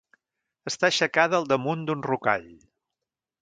Està aixecada al damunt d'un rocall.